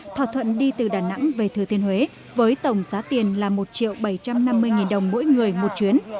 thỏa thuận đi từ đà nẵng về thừa thiên huế với tổng giá tiền là một triệu bảy trăm năm mươi nghìn đồng mỗi người một chuyến